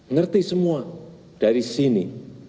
ngerti semua dari sini